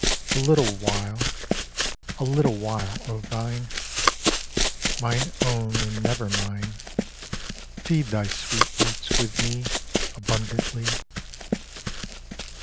A little while, a little while, O Vine, My own and never mine, Feed thy sweet roots with me Abundantly.